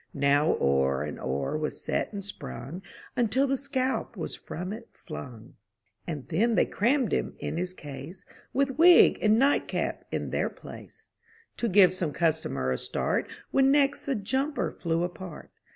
Now o'er and o'er was set and sprung Until the scalp was from it flung; And then they crammed him in his case, With wig and night cap in their place, To give some customer a start When next the jumper flew apart.